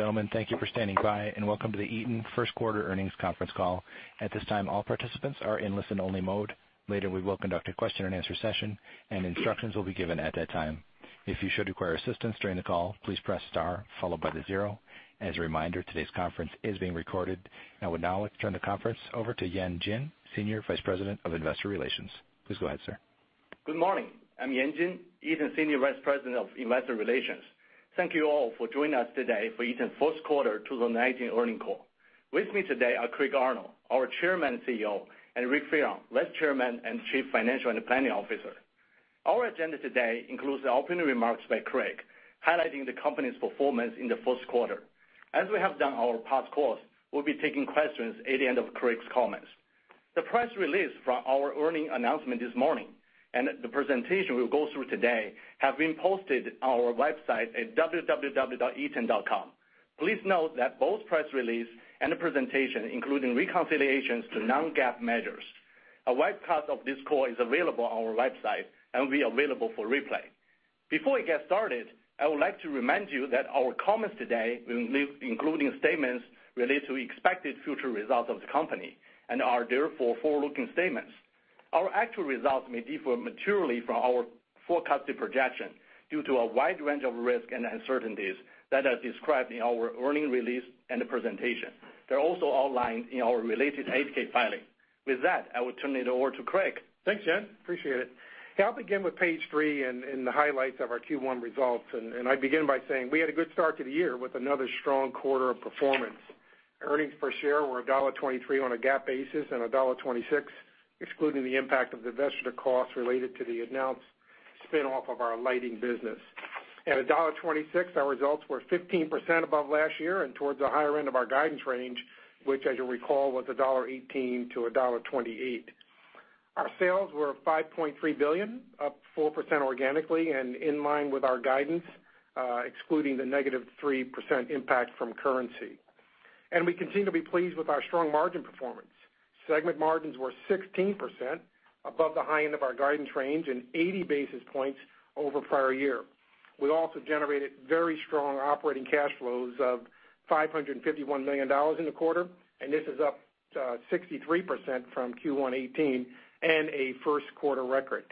Gentlemen, thank you for standing by, and welcome to the Eaton first quarter earnings conference call. At this time, all participants are in listen-only mode. Later, we will conduct a question-and-answer session, and instructions will be given at that time. If you should require assistance during the call, please press star followed by the zero. As a reminder, today's conference is being recorded. I would now like to turn the conference over to Yan Jin, Senior Vice President of Investor Relations. Please go ahead, sir. Good morning. I'm Yan Jin, Eaton Senior Vice President of Investor Relations. Thank you all for joining us today for Eaton first quarter 2019 earnings call. With me today are Craig Arnold, our Chairman and CEO, and Rick Fearon, Vice Chairman and Chief Financial and Planning Officer. Our agenda today includes the opening remarks by Craig, highlighting the company's performance in the first quarter. As we have done our past calls, we'll be taking questions at the end of Craig's comments. The press release from our earnings announcement this morning, and the presentation we will go through today, have been posted on our website at www.eaton.com. Please note that both press release and the presentation, including reconciliations to non-GAAP measures. A webcast of this call is available on our website and will be available for replay. Before we get started, I would like to remind you that our comments today will include statements related to expected future results of the company and are therefore forward-looking statements. Our actual results may differ materially from our forecasted projection due to a wide range of risks and uncertainties that are described in our earnings release and the presentation. They're also outlined in our related 8-K filing. With that, I will turn it over to Craig. Thanks, Yan. Appreciate it. I'll begin with page three and the highlights of our Q1 results. I begin by saying we had a good start to the year with another strong quarter of performance. Earnings per share were $1.23 on a GAAP basis and $1.26 excluding the impact of the investor cost related to the announced spin-off of our lighting business. At $1.26, our results were 15% above last year and towards the higher end of our guidance range, which as you'll recall, was $1.18-$1.28. Our sales were $5.3 billion, up 4% organically and in line with our guidance, excluding the negative 3% impact from currency. We continue to be pleased with our strong margin performance. Segment margins were 16% above the high end of our guidance range and 80 basis points over prior year. We also generated very strong operating cash flows of $551 million in the quarter. This is up 63% from Q1 2018 and a first quarter record.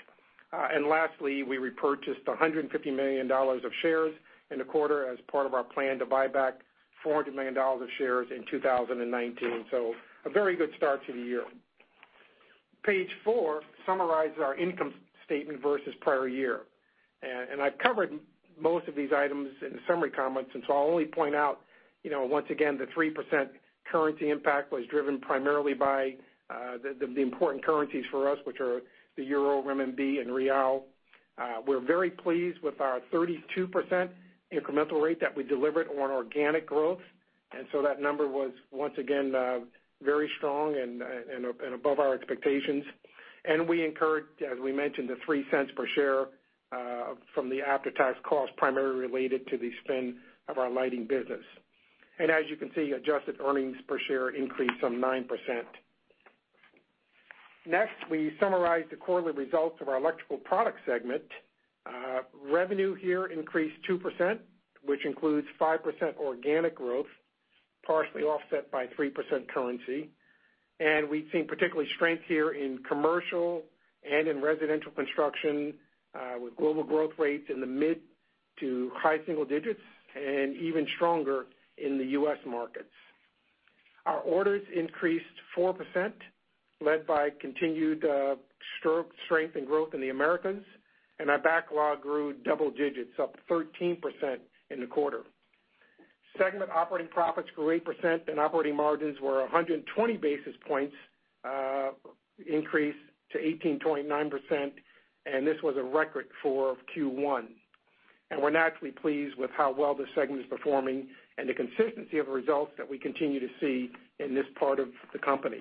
Lastly, we repurchased $150 million of shares in the quarter as part of our plan to buy back $400 million of shares in 2019. A very good start to the year. Page four summarizes our income statement versus prior year. I've covered most of these items in the summary comments, so I'll only point out, once again, the 3% currency impact was driven primarily by the important currencies for us, which are the euro, renminbi, and real. We're very pleased with our 32% incremental rate that we delivered on organic growth. That number was, once again, very strong and above our expectations. We incurred, as we mentioned, the $0.03 per share from the after-tax cost primarily related to the spin of our lighting business. As you can see, adjusted earnings per share increased some 9%. Next, we summarize the quarterly results of our Electrical Products segment. Revenue here increased 2%, which includes 5% organic growth, partially offset by 3% currency. We've seen particularly strength here in commercial and in residential construction, with global growth rates in the mid- to high single digits, and even stronger in the U.S. markets. Our orders increased 4%, led by continued strength and growth in the Americas. Our backlog grew double digits, up 13% in the quarter. Segment operating profits grew 8%, and operating margins were 120 basis points increase to 18.9%. This was a record for Q1. We're naturally pleased with how well this segment is performing and the consistency of results that we continue to see in this part of the company.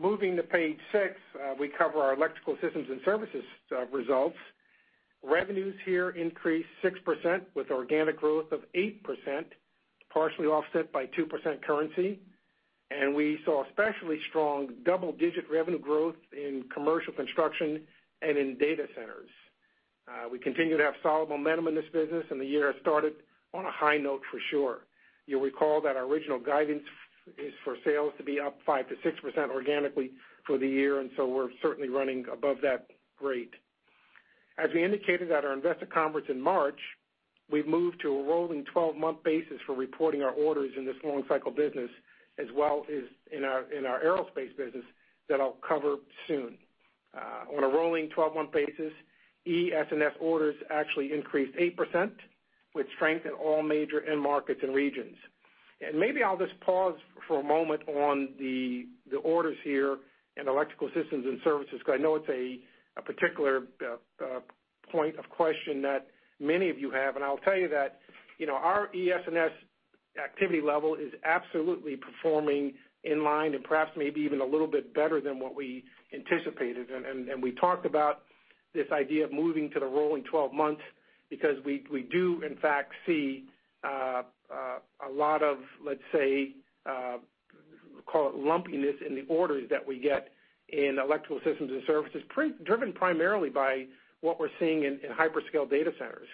Moving to page six, we cover our Electrical Systems and Services results. Revenues here increased 6% with organic growth of 8%, partially offset by 2% currency. We saw especially strong double-digit revenue growth in commercial construction and in data centers. We continue to have solid momentum in this business, and the year started on a high note for sure. You'll recall that our original guidance is for sales to be up 5%-6% organically for the year, so we're certainly running above that rate. As we indicated at our investor conference in March, we've moved to a rolling 12-month basis for reporting our orders in this long cycle business, as well as in our aerospace business, that I'll cover soon. On a rolling 12-month basis, ES&S orders actually increased 8%, with strength in all major end markets and regions. Maybe I'll just pause for a moment on the orders here in Electrical Systems and Services, because I know it's a particular point of question that many of you have. I'll tell you that our ES&S activity level is absolutely performing in line and perhaps maybe even a little bit better than what we anticipated. We talked about this idea of moving to the rolling 12 months because we do in fact see a lot of, let's say-Call it lumpiness in the orders that we get in Electrical Systems and Services, driven primarily by what we're seeing in hyperscale data centers.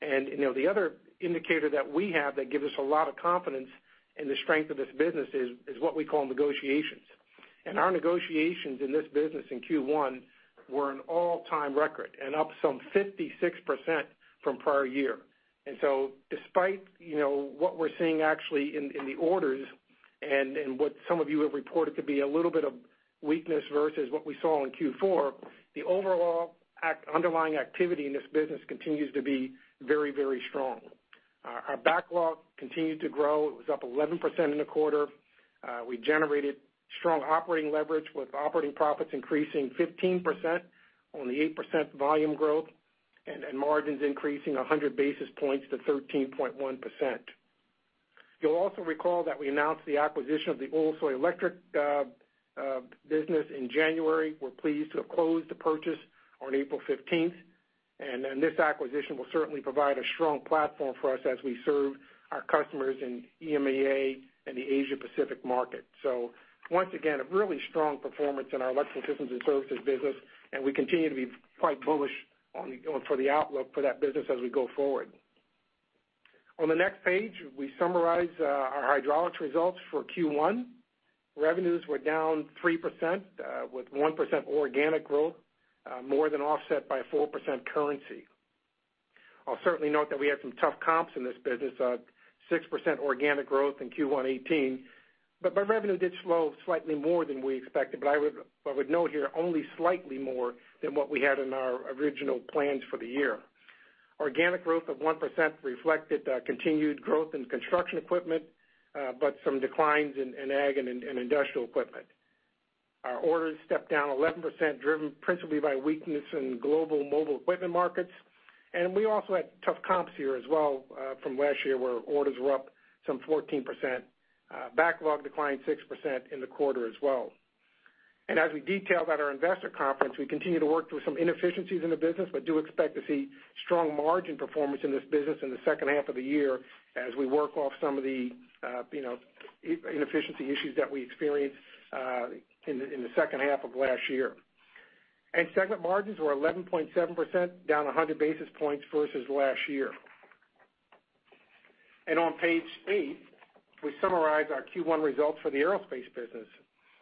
The other indicator that we have that gives us a lot of confidence in the strength of this business is what we call negotiations. Our negotiations in this business in Q1 were an all-time record and up 56% from prior year. Despite what we're seeing actually in the orders and what some of you have reported to be a little bit of weakness versus what we saw in Q4, the overall underlying activity in this business continues to be very strong. Our backlog continued to grow. It was up 11% in the quarter. We generated strong operating leverage with operating profits increasing 15% on the 8% volume growth, and margins increasing 100 basis points to 13.1%. You'll also recall that we announced the acquisition of the Ulusoy Electric business in January. We're pleased to have closed the purchase on April 15th. This acquisition will certainly provide a strong platform for us as we serve our customers in EMEA and the Asia Pacific market. Once again, a really strong performance in our Electrical Systems and Services business, and we continue to be quite bullish for the outlook for that business as we go forward. On the next page, we summarize our Hydraulics results for Q1. Revenues were down 3%, with 1% organic growth, more than offset by 4% currency. I'll certainly note that we had some tough comps in this business, 6% organic growth in Q1 2018. Revenue did slow slightly more than we expected, but I would note here, only slightly more than what we had in our original plans for the year. Organic growth of 1% reflected continued growth in construction equipment, but some declines in ag and industrial equipment. Our orders stepped down 11%, driven principally by weakness in global mobile equipment markets. We also had tough comps here as well from last year, where orders were up 14%. Backlog declined 6% in the quarter as well. As we detailed at our investor conference, we continue to work through some inefficiencies in the business, but do expect to see strong margin performance in this business in the second half of the year as we work off some of the inefficiency issues that we experienced in the second half of last year. Segment margins were 11.7%, down 100 basis points versus last year. On page eight, we summarize our Q1 results for the Aerospace business.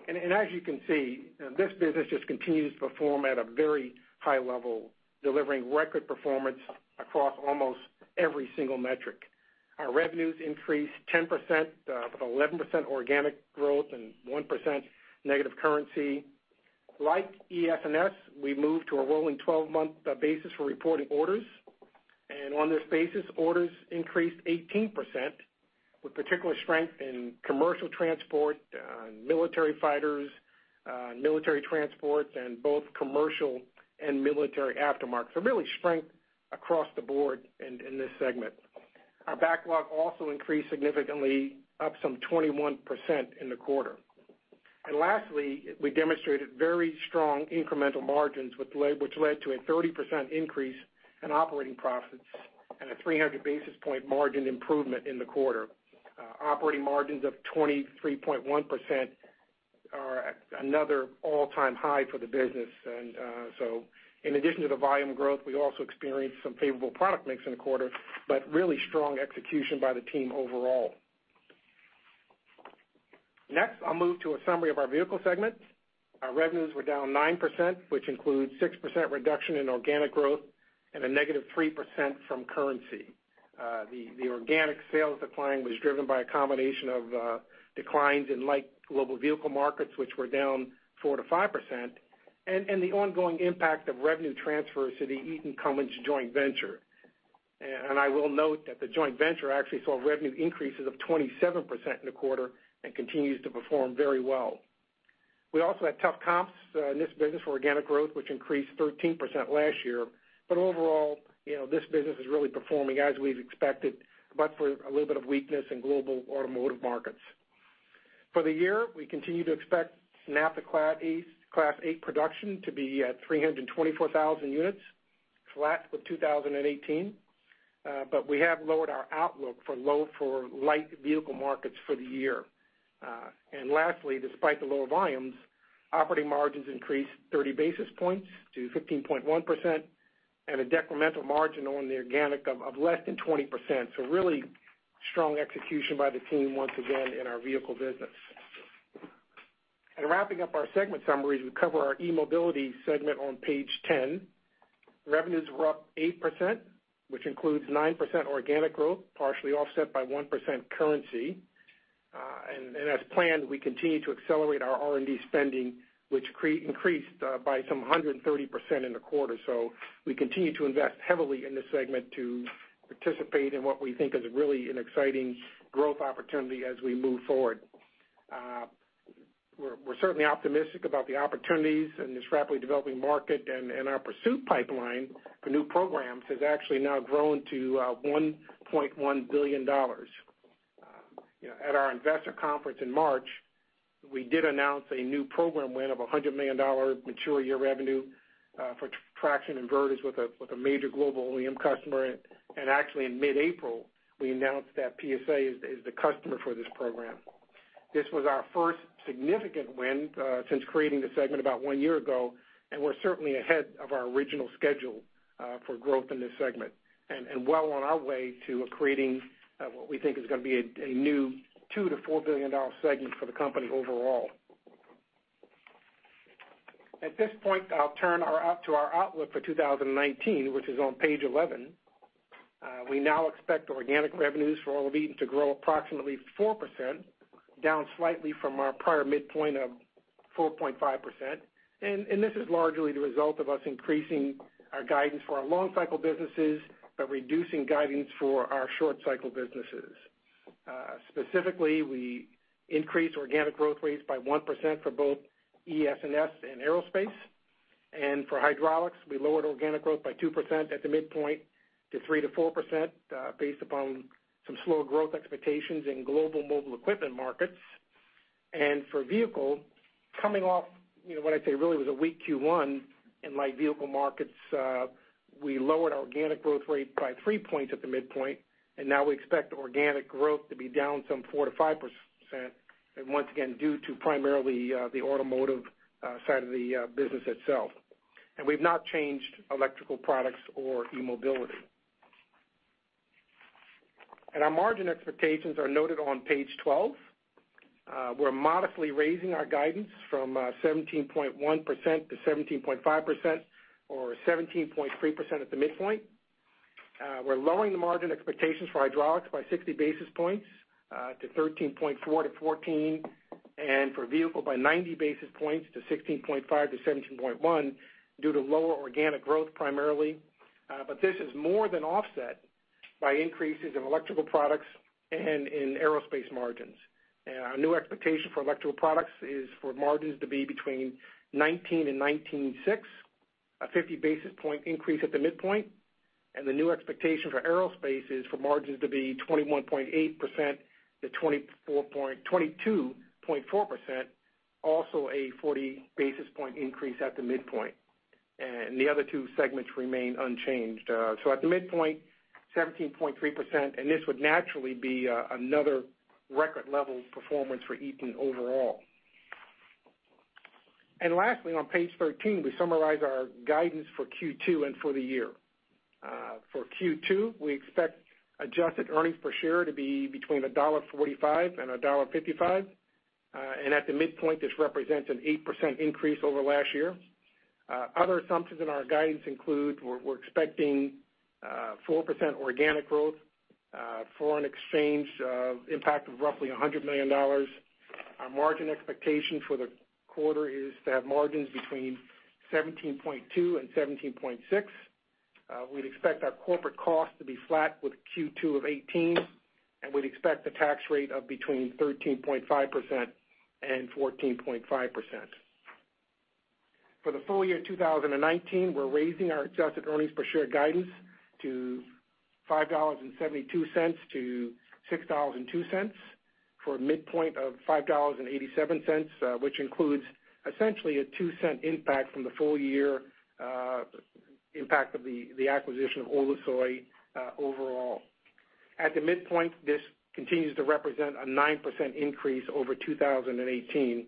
As you can see, this business just continues to perform at a very high level, delivering record performance across almost every single metric. Our revenues increased 10%, with 11% organic growth and 1% negative currency. Like ES&S, we moved to a rolling 12-month basis for reporting orders. On this basis, orders increased 18%, with particular strength in commercial transport, military fighters, military transport, and both commercial and military aftermarket. Really strength across the board in this segment. Our backlog also increased significantly, up 21% in the quarter. Lastly, we demonstrated very strong incremental margins, which led to a 30% increase in operating profits and a 300 basis point margin improvement in the quarter. Operating margins of 23.1% are another all-time high for the business. In addition to the volume growth, we also experienced some favorable product mix in the quarter, but really strong execution by the team overall. Next, I'll move to a summary of our Vehicle segment. Our revenues were down 9%, which includes 6% reduction in organic growth and a negative 3% from currency. The organic sales decline was driven by a combination of declines in light global vehicle markets, which were down 4%-5%, and the ongoing impact of revenue transfers to the Eaton Cummins joint venture. I will note that the joint venture actually saw revenue increases of 27% in the quarter and continues to perform very well. We also had tough comps in this business for organic growth, which increased 13% last year. Overall, this business is really performing as we've expected, but for a little bit of weakness in global automotive markets. For the year, we continue to expect NAFTA Class 8 production to be at 324,000 units, flat with 2018. We have lowered our outlook for light vehicle markets for the year. Lastly, despite the lower volumes, operating margins increased 30 basis points to 15.1%, and a decremental margin on the organic of less than 20%. Really strong execution by the team once again in our vehicle business. Wrapping up our segment summaries, we cover our eMobility segment on page 10. Revenues were up 8%, which includes 9% organic growth, partially offset by 1% currency. As planned, we continue to accelerate our R&D spending, which increased by some 130% in the quarter. We continue to invest heavily in this segment to participate in what we think is really an exciting growth opportunity as we move forward. We're certainly optimistic about the opportunities in this rapidly developing market, and our pursuit pipeline for new programs has actually now grown to $1.1 billion. At our investor conference in March, we did announce a new program win of $100 million mature year revenue for traction inverters with a major global OEM customer. Actually in mid-April, we announced that PSA is the customer for this program. This was our first significant win since creating the segment about one year ago, and we're certainly ahead of our original schedule for growth in this segment and well on our way to creating what we think is going to be a new $2 billion-$4 billion segment for the company overall. At this point, I'll turn to our outlook for 2019, which is on page 11. We now expect organic revenues for all of Eaton to grow approximately 4%, down slightly from our prior midpoint of 4.5%. This is largely the result of us increasing our guidance for our long-cycle businesses, but reducing guidance for our short-cycle businesses. Specifically, we increased organic growth rates by 1% for both ES&S and aerospace. For hydraulics, we lowered organic growth by 2% at the midpoint to 3%-4%, based upon some slower growth expectations in global mobile equipment markets. For vehicle, coming off what I'd say really was a weak Q1 in light vehicle markets, we lowered our organic growth rate by three points at the midpoint. Now we expect organic growth to be down some 4%-5%, once again, due to primarily the automotive side of the business itself. We've not changed electrical products or eMobility. Our margin expectations are noted on page 12. We're modestly raising our guidance from 17.1% to 17.5%, or 17.3% at the midpoint. We're lowering the margin expectations for hydraulics by 60 basis points to 13.4%-14%, and for vehicle, by 90 basis points to 16.5%-17.1% due to lower organic growth primarily. This is more than offset by increases in Electrical Products and in Aerospace margins. Our new expectation for Electrical Products is for margins to be between 19%-19.6%, a 50 basis point increase at the midpoint, and the new expectation for Aerospace is for margins to be 21.8%-22.4%, also a 40 basis point increase at the midpoint. The other two segments remain unchanged. At the midpoint, 17.3%, and this would naturally be another record-level performance for Eaton overall. Lastly, on page 13, we summarize our guidance for Q2 and for the year. For Q2, we expect adjusted earnings per share to be between $1.45-$1.55. At the midpoint, this represents an 8% increase over last year. Other assumptions in our guidance include we're expecting 4% organic growth, foreign exchange impact of roughly $100 million. Our margin expectation for the quarter is to have margins between 17.2%-17.6%. We'd expect our corporate cost to be flat with Q2 of 2018, and we'd expect the tax rate of between 13.5%-14.5%. For the full year 2019, we're raising our adjusted earnings per share guidance to $5.72-$6.02 for a midpoint of $5.87, which includes essentially a $0.02 impact from the full year impact of the acquisition of Ulusoy overall. At the midpoint, this continues to represent a 9% increase over 2018.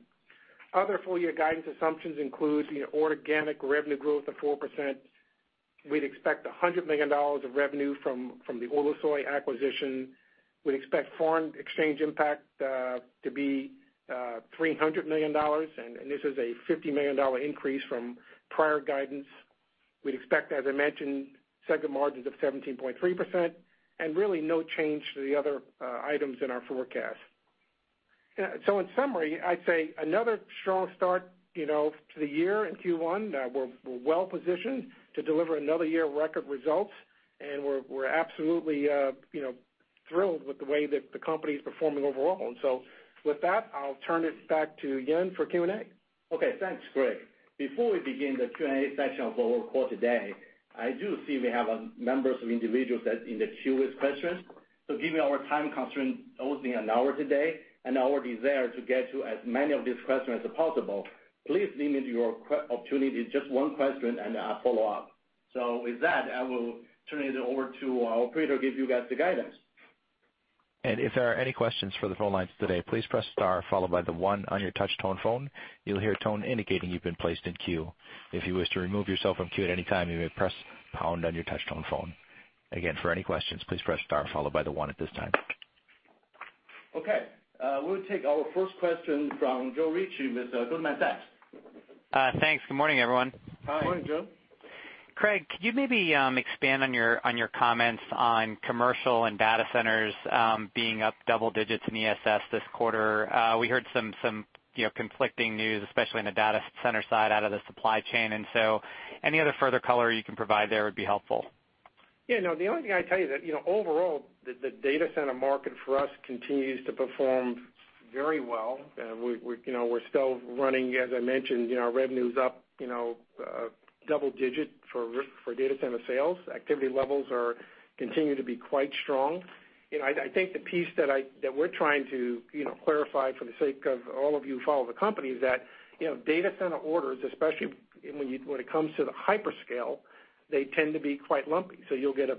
Other full-year guidance assumptions include organic revenue growth of 4%. We'd expect $100 million of revenue from the Ulusoy acquisition. We'd expect foreign exchange impact to be $300 million, and this is a $50 million increase from prior guidance. We'd expect, as I mentioned, segment margins of 17.3%, and really no change to the other items in our forecast. In summary, I'd say another strong start to the year in Q1. We're well-positioned to deliver another year of record results, and we're absolutely thrilled with the way that the company is performing overall. With that, I'll turn it back to Yan for Q&A. Okay. Thanks, Craig. Before we begin the Q&A section of our call today, I do see we have members of individuals that in the queue with questions. Given our time constraint, only an hour today, and our desire to get to as many of these questions as possible, please limit your opportunity to just one question and a follow-up. With that, I will turn it over to our operator to give you guys the guidance. If there are any questions for the phone lines today, please press star followed by the one on your touch tone phone. You'll hear a tone indicating you've been placed in queue. If you wish to remove yourself from queue at any time, you may press pound on your touch tone phone. Again, for any questions, please press star followed by the one at this time. Okay. We'll take our first question from Joe Ritchie with Goldman Sachs. Thanks. Good morning, everyone. Hi. Good morning, Joe. Craig, could you maybe expand on your comments on commercial and data centers being up double digits in ES&S this quarter? We heard some conflicting news, especially on the data center side out of the supply chain, any other further color you can provide there would be helpful. Yeah, no. The only thing I'd tell you that overall, the data center market for us continues to perform very well. We're still running, as I mentioned, our revenue's up a double digit for data center sales. Activity levels continue to be quite strong. I think the piece that we're trying to clarify for the sake of all of you who follow the company is that data center orders, especially when it comes to the hyperscale, they tend to be quite lumpy. You'll get a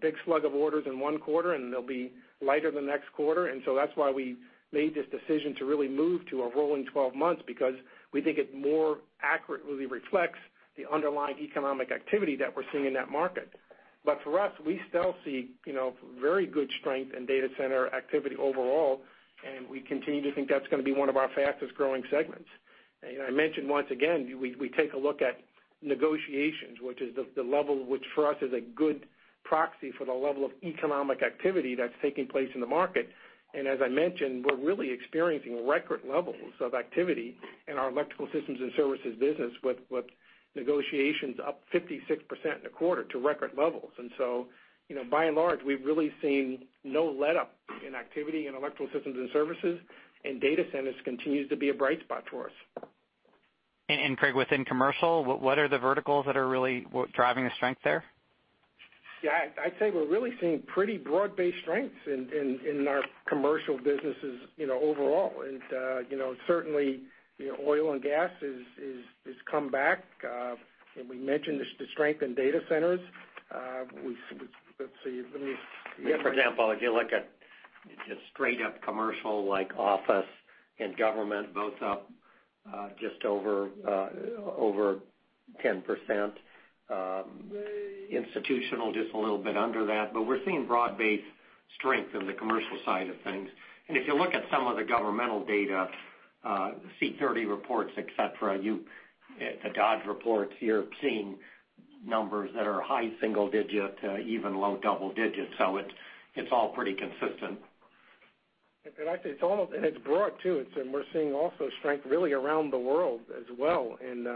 big slug of orders in one quarter, and they'll be lighter the next quarter. That's why we made this decision to really move to a rolling 12 months, because we think it more accurately reflects the underlying economic activity that we're seeing in that market. For us, we still see very good strength in data center activity overall, and we continue to think that's going to be one of our fastest-growing segments. I mentioned once again, we take a look at negotiations, which is the level, which for us is a good proxy for the level of economic activity that's taking place in the market. As I mentioned, we're really experiencing record levels of activity in our Electrical Systems and Services business, with negotiations up 56% in a quarter to record levels. By and large, we've really seen no letup in activity in Electrical Systems and Services, and data centers continues to be a bright spot for us. Craig, within commercial, what are the verticals that are really driving the strength there? Yeah, I'd say we're really seeing pretty broad-based strengths in our commercial businesses overall. Certainly oil and gas has come back. We mentioned the strength in data centers. Let's see. Yeah, for example, if you look at just straight up commercial like office and government, both up just over 10%. Institutional, just a little bit under that. We're seeing broad-based strength in the commercial side of things. If you look at some of the governmental data, C30 reports, et cetera, the Dodge reports, you're seeing numbers that are high single digit, even low double digits. It's all pretty consistent. It's broad too. We're seeing also strength really around the world as well in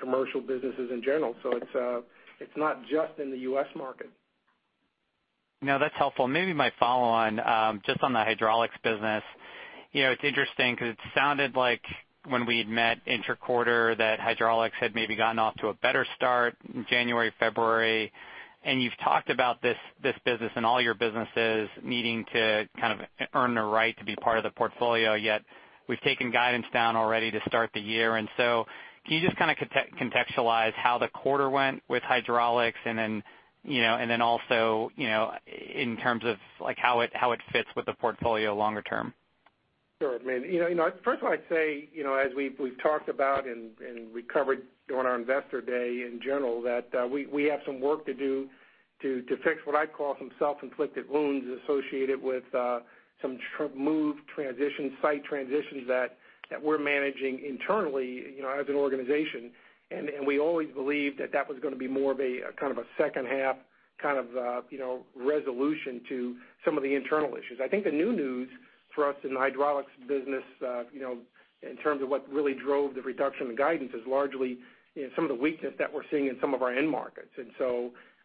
commercial businesses in general. It's not just in the U.S. market. No, that's helpful. Maybe my follow-on, just on the hydraulics business. It's interesting because it sounded like when we had met inter-quarter that hydraulics had maybe gotten off to a better start in January, February. You've talked about this business and all your businesses needing to kind of earn the right to be part of the portfolio, yet we've taken guidance down already to start the year. Can you just kind of contextualize how the quarter went with hydraulics and then also in terms of how it fits with the portfolio longer term? Sure. First of all, I'd say as we've talked about and we covered on our investor day in general, that we have some work to do to fix what I call some self-inflicted wounds associated with some move transitions, site transitions that we're managing internally as an organization. We always believed that was going to be more of a second half kind of resolution to some of the internal issues. I think the new news for us in the hydraulics business, in terms of what really drove the reduction in guidance, is largely some of the weakness that we're seeing in some of our end markets.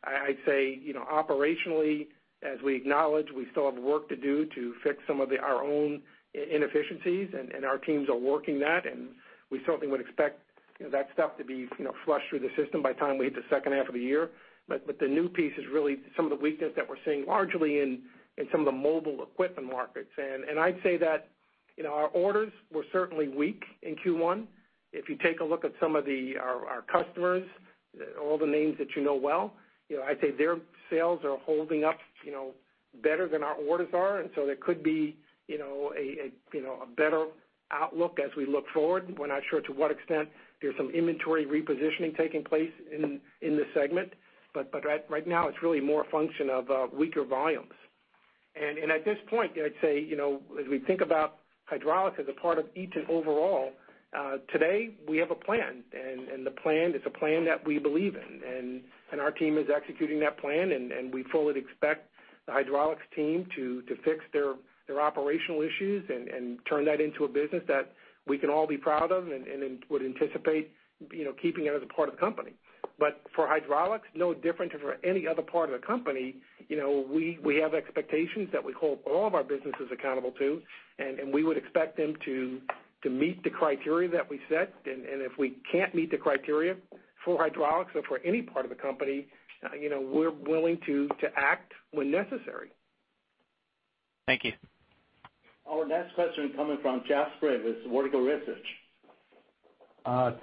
I'd say operationally, as we acknowledge, we still have work to do to fix some of our own inefficiencies, and our teams are working that, and we certainly would expect that stuff to be flushed through the system by the time we hit the second half of the year. The new piece is really some of the weakness that we're seeing largely in some of the mobile equipment markets. I'd say that our orders were certainly weak in Q1. If you take a look at some of our customers, all the names that you know well, I'd say their sales are holding up better than our orders are, and so there could be a better outlook as we look forward. We're not sure to what extent. There's some inventory repositioning taking place in this segment. Right now, it's really more a function of weaker volumes. At this point, I'd say as we think about hydraulics as a part of Eaton overall, today we have a plan, and the plan is a plan that we believe in, and our team is executing that plan, and we fully expect the hydraulics team to fix their operational issues and turn that into a business that we can all be proud of and would anticipate keeping it as a part of the company. For hydraulics, no different than for any other part of the company, we have expectations that we hold all of our businesses accountable to, and we would expect them to meet the criteria that we set. If we can't meet the criteria for hydraulics or for any part of the company, we're willing to act when necessary. Thank you. Our next question coming from Jeff Sprague with Vertical Research.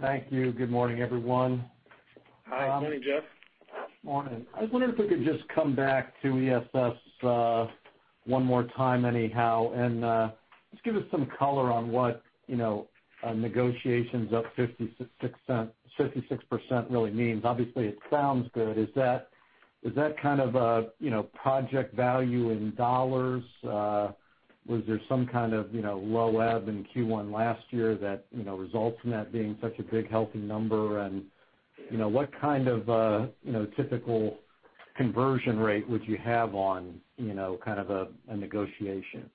Thank you. Good morning, everyone. Hi. Good morning, Jeff. Morning. I was wondering if we could just come back to ESS one more time anyhow, and just give us some color on what negotiations up 56% really means. Obviously, it sounds good. Is that kind of a project value in dollars? Was there some kind of low ebb in Q1 last year that results in that being such a big, healthy number? What kind of typical conversion rate would you have on kind of a negotiation?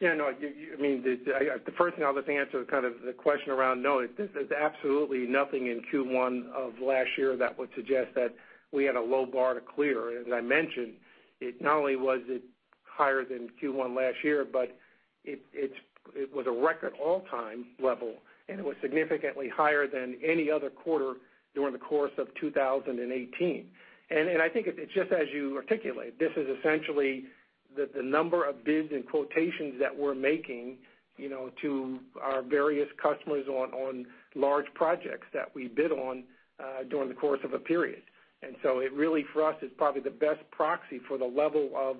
Yeah. The first thing I'll just answer is kind of the question around no. There's absolutely nothing in Q1 of last year that would suggest that we had a low bar to clear. As I mentioned, not only was it higher than Q1 last year, but it was a record all-time level, and it was significantly higher than any other quarter during the course of 2018. I think it's just as you articulate, this is essentially the number of bids and quotations that we're making to our various customers on large projects that we bid on during the course of a period. It really, for us, is probably the best proxy for the level of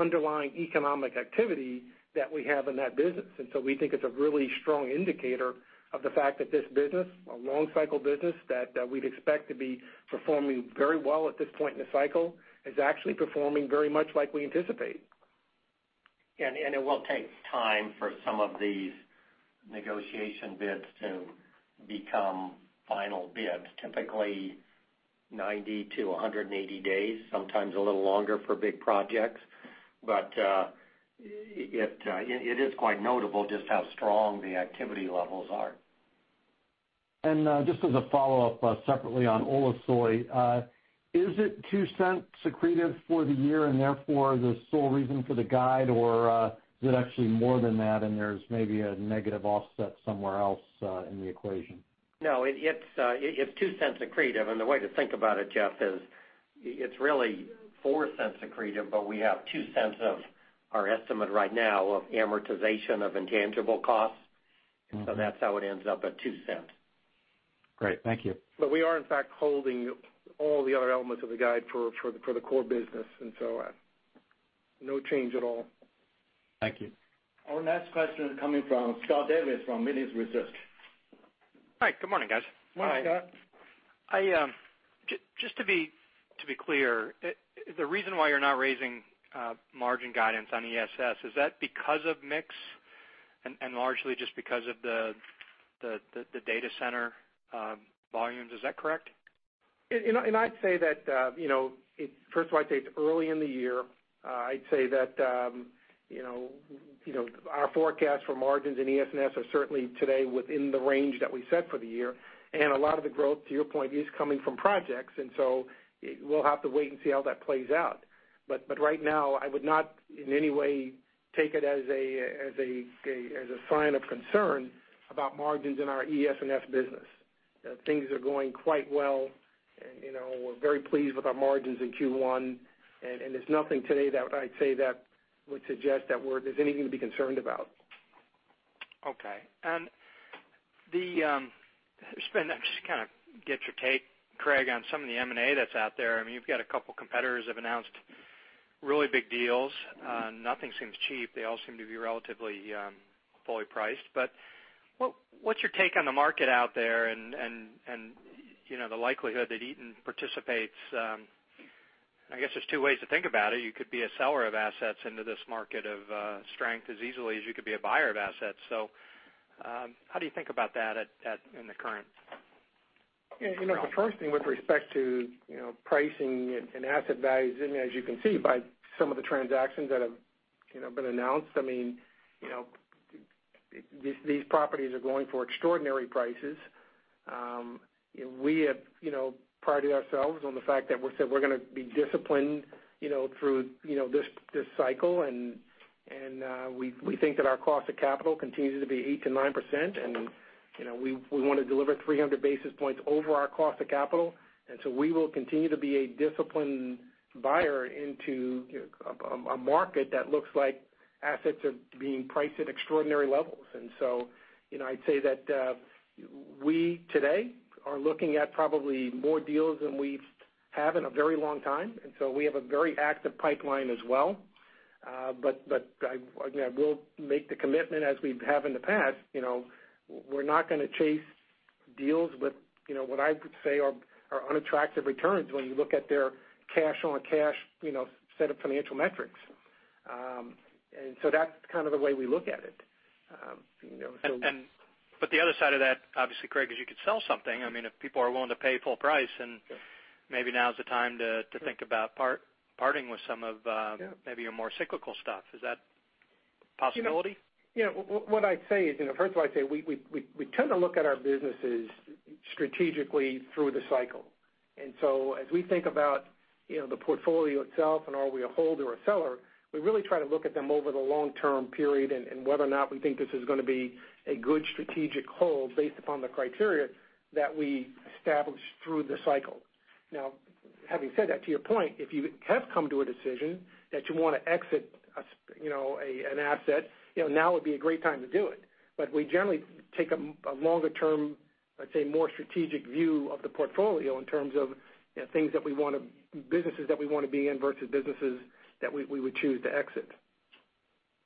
underlying economic activity that we have in that business. We think it's a really strong indicator of the fact that this business, a long cycle business, that we'd expect to be performing very well at this point in the cycle, is actually performing very much like we anticipate. It will take time for some of these negotiation bids to become final bids. Typically 90-180 days, sometimes a little longer for big projects. It is quite notable just how strong the activity levels are. Just as a follow-up, separately on Ulusoy. Is it $0.02 accretive for the year and therefore the sole reason for the guide, or is it actually more than that and there's maybe a negative offset somewhere else in the equation? No, it's $0.02 accretive. The way to think about it, Jeff, is it's really $0.04 accretive, but we have $0.02 of our estimate right now of amortization of intangible costs. That's how it ends up at $0.02. Great. Thank you. We are, in fact, holding all the other elements of the guide for the core business, no change at all. Thank you. Our next question coming from Scott Davis from Melius Research. Hi, good morning, guys. Morning, Scott. Just to be clear, the reason why you're not raising margin guidance on ES&S, is that because of mix and largely just because of the data center volumes? Is that correct? I'd say that, first of all, it's early in the year. I'd say that our forecast for margins in ES&S are certainly today within the range that we set for the year. A lot of the growth, to your point, is coming from projects, so we'll have to wait and see how that plays out. Right now, I would not in any way take it as a sign of concern about margins in our ES&S business. Things are going quite well. We're very pleased with our margins in Q1, there's nothing today that I'd say that would suggest that there's anything to be concerned about. Okay. Just to kind of get your take, Craig, on some of the M&A that's out there. You've got a couple competitors have announced really big deals. Nothing seems cheap. They all seem to be relatively fully priced. What's your take on the market out there and the likelihood that Eaton participates? I guess there's two ways to think about it. You could be a seller of assets into this market of strength as easily as you could be a buyer of assets. How do you think about that in the current? The first thing with respect to pricing and asset values, as you can see by some of the transactions that have been announced, these properties are going for extraordinary prices. We have prided ourselves on the fact that we said we're going to be disciplined through this cycle, we think that our cost of capital continues to be 8%-9%, and we want to deliver 300 basis points over our cost of capital. We will continue to be a disciplined buyer into a market that looks like assets are being priced at extraordinary levels. I'd say that we today are looking at probably more deals than we have in a very long time, we have a very active pipeline as well. I will make the commitment as we have in the past, we're not going to chase deals with what I would say are unattractive returns when you look at their cash on cash set of financial metrics. That's kind of the way we look at it. The other side of that, obviously, Craig, is you could sell something. If people are willing to pay full price, maybe now's the time to think about parting with some of- Yeah maybe your more cyclical stuff. Is that a possibility? What I'd say is, first of all, I'd say we tend to look at our businesses strategically through the cycle. As we think about the portfolio itself and are we a holder or seller, we really try to look at them over the long-term period and whether or not we think this is going to be a good strategic hold based upon the criteria that we establish through the cycle. Now, having said that, to your point, if you have come to a decision that you want to exit an asset, now would be a great time to do it. We generally take a longer term, let's say, more strategic view of the portfolio in terms of businesses that we want to be in versus businesses that we would choose to exit.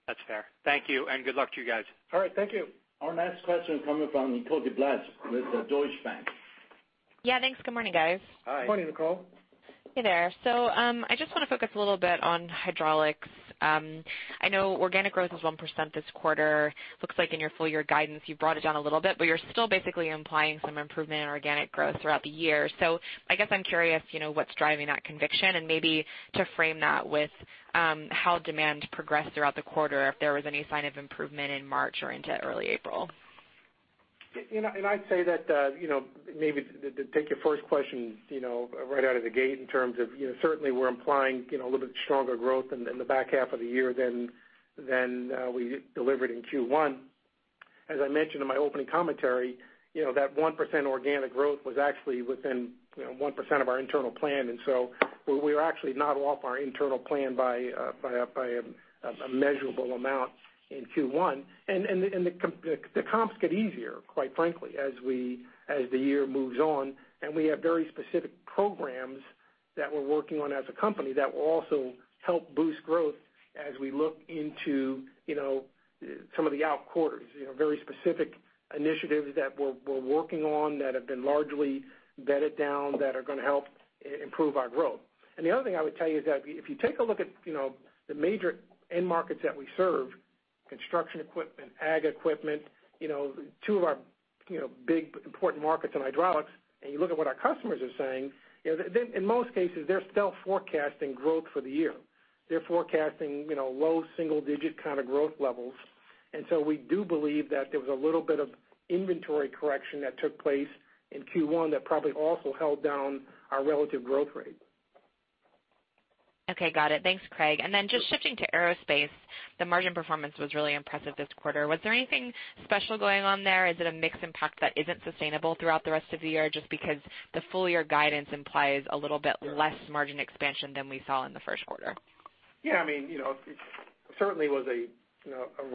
That's fair. Thank you, and good luck to you guys. All right, thank you. Our next question coming from Nicole DeBlase with Deutsche Bank. Yeah, thanks. Good morning, guys. Hi. Good morning, Nicole. Hey there. I just want to focus a little bit on hydraulics. I know organic growth was 1% this quarter. Looks like in your full year guidance, you've brought it down a little bit, but you're still basically implying some improvement in organic growth throughout the year. I guess I'm curious what's driving that conviction, and maybe to frame that with how demand progressed throughout the quarter, if there was any sign of improvement in March or into early April. I'd say that, maybe to take your first question right out of the gate in terms of certainly we're implying a little bit stronger growth in the back half of the year than we delivered in Q1. As I mentioned in my opening commentary, that 1% organic growth was actually within 1% of our internal plan. We're actually not off our internal plan by a measurable amount in Q1. The comps get easier, quite frankly, as the year moves on. We have very specific programs that we're working on as a company that will also help boost growth as we look into some of the out quarters, very specific initiatives that we're working on that have been largely bedded down that are going to help improve our growth. The other thing I would tell you is that if you take a look at the major end markets that we serve, construction equipment, ag equipment, two of our big important markets in hydraulics, and you look at what our customers are saying, in most cases, they're still forecasting growth for the year. They're forecasting low single digit kind of growth levels. We do believe that there was a little bit of inventory correction that took place in Q1 that probably also held down our relative growth rate. Okay. Got it. Thanks, Craig. Just shifting to aerospace, the margin performance was really impressive this quarter. Was there anything special going on there? Is it a mix impact that isn't sustainable throughout the rest of the year, just because the full-year guidance implies a little bit less margin expansion than we saw in the first quarter? It certainly was a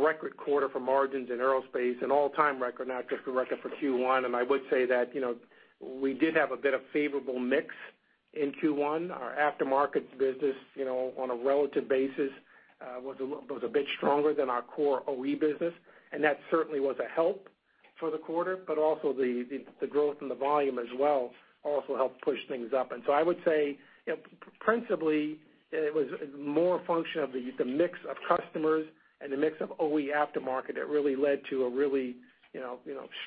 record quarter for margins in aerospace, an all-time record, not just a record for Q1. I would say that we did have a bit of favorable mix in Q1. Our aftermarkets business, on a relative basis, was a bit stronger than our core OE business, and that certainly was a help for the quarter, but also the growth in the volume as well also helped push things up. So I would say principally it was more a function of the mix of customers and the mix of OE aftermarket that really led to a really